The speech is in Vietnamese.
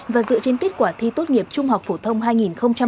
và dựa trên kết quả thi tốt nghiệp trung học phổ thông hai nghìn hai mươi